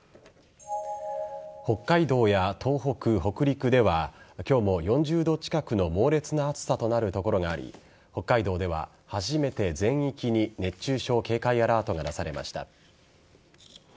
北海道や東北、北陸では今日も４０度近くの猛烈な暑さとなる所があり北海道では、初めて全域に熱中症警戒アラートが出されました。